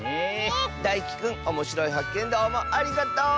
だいきくんおもしろいはっけんどうもありがとう！